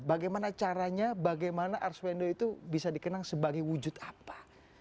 bagaimana caranya bagaimana arswendo itu bisa dikenang sebagai wujud apa